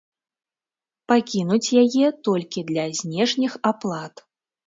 Пакінуць яе толькі для знешніх аплат.